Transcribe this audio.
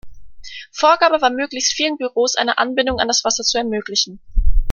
Vorgabe war möglichst vielen Büros eine Anbindung an das Wasser zu ermöglichen.